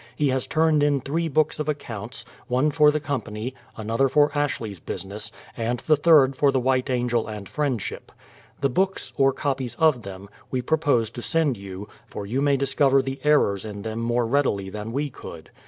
He has turned in three books of accounts, one for the company, another for Ashley's business, and the third for the White Angel and Friendship. The books, or copies of them, we propose to send you, for you may discover the errors in them more readily than we could.